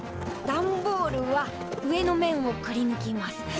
段ボールは上の面をくりぬきます。